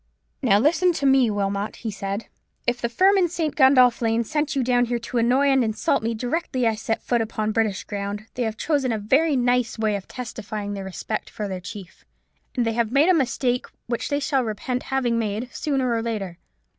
"Now, listen to me, Wilmot," he said. "If the firm in St. Gundolph Lane sent you down here to annoy and insult me directly I set foot upon British ground, they have chosen a very nice way of testifying their respect for their chief: and they have made a mistake which they shall repent having made sooner or later.